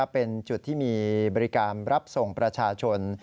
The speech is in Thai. เป็นจุดที่มีบริการรับส่งประชาชน